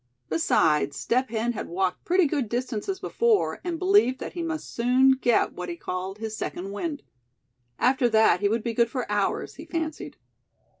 Besides, Step Hen had walked pretty good distances before, and believed that he must soon get what he called his "second wind." After that he would be good for hours, he fancied.